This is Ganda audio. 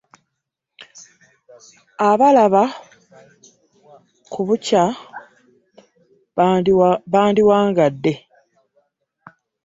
Abalaba ku bukya baandiwagadde .